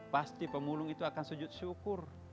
pasti pemulung itu akan sujud syukur